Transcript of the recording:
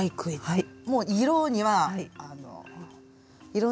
はい。